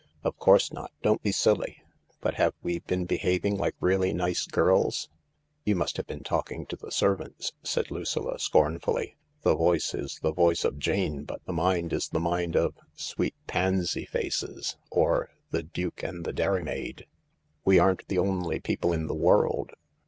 " Of course not— don't be silly I But have we been be having like really nice girls ?" "You must have been talking to the servants," said Lucilla scornfully. " The voice is the voice of Jane,; but the mind is the mind of ' Sweet P&nsy Faces ' or the ' Duke and the Dairymaid.' "" We aren't the only people in the world."